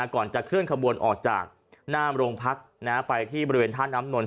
ก่อนจะเคลื่อนขบวนออกจากหน้าโรงพักไปที่บริเวณท่าน้ำนนท